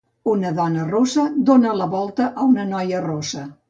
Una dona rossa dona la volta a una noia rossa.